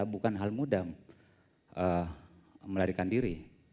jadi berada di kota bukan hal mudah melarikan diri